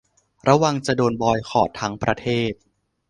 ระวังจะโดนบอยคอตทั้งประเทศ